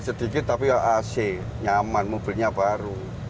sedikit tapi ac nyaman mobilnya baru